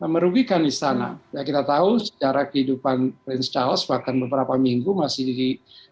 merugikan istana kita tahu secara kehidupan prince charles bahkan beberapa minggu masih di